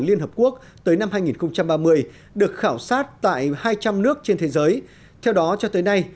liên hợp quốc tới năm hai nghìn ba mươi được khảo sát tại hai trăm linh nước trên thế giới theo đó cho tới nay